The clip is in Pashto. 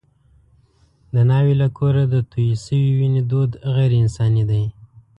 د ناوې له کوره د تویې شوې وینې دود غیر انساني دی.